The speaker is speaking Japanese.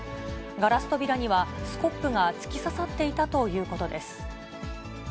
ガラス扉には、スコップが突き刺さっていたということです。